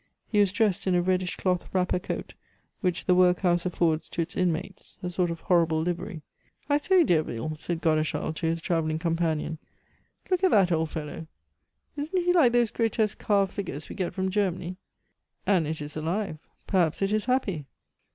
He was dressed in a reddish cloth wrapper coat which the work house affords to its inmates, a sort of horrible livery. "I say, Derville," said Godeschal to his traveling companion, "look at that old fellow. Isn't he like those grotesque carved figures we get from Germany? And it is alive, perhaps it is happy."